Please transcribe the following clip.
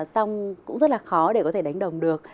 xong cũng rất là khó để có thể đánh đồng được